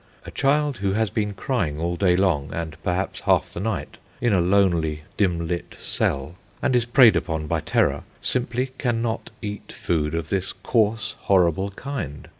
A child who has been crying all day long, and perhaps half the night, in a lonely dim lit cell, and is preyed upon by terror, simply cannot eat food of this coarse, horrible kind.